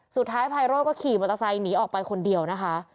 ไพโรธก็ขี่มอเตอร์ไซค์หนีออกไปคนเดียวนะคะ